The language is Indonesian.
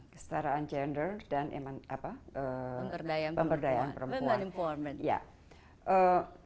kestaraan gender dan pemberdayaan perempuan